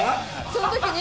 その時に？